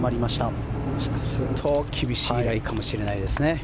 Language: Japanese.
もしかすると厳しいライかもしれないですね。